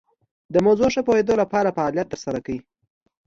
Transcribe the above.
د موضوع ښه پوهیدو لپاره فعالیت تر سره کړئ.